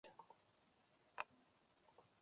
Antes había pasado algunos meses en The Chieftains.